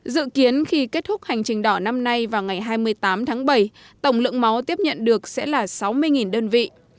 dự kiến khi kết thúc hành trình đỏ năm nay vào ngày hai mươi tám tháng bảy tổng lượng máu tiếp nhận được sẽ là sáu mươi đơn vị